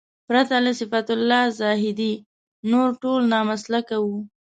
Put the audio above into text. پرته له صفت الله زاهدي نور ټول نامسلکه وو.